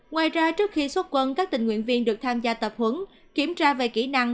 ngoài ra trước khi xuất quân các tình nguyện viên được tham gia tập huấn kiểm tra về kỹ năng